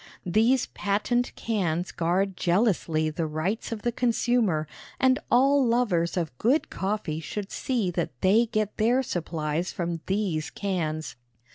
These patent cans guard jealously the rights of the consumer, and all lovers of good coffee should see that they get their supplies from these cans.